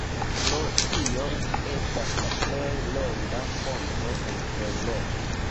Pro tio ĝi estas la plej longa ponto en Eŭropo.